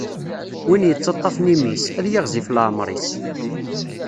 Win yettaṭṭafen imi-s, ad yiɣzif leɛmeṛ-is.